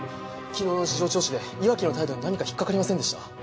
昨日の事情聴取で岩城の態度に何か引っ掛かりませんでした？